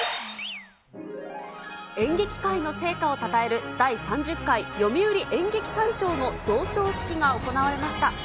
演劇界の成果をたたえる第３０回読売演劇大賞の贈賞式が行われました。